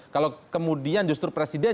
kalau kemudian justru presiden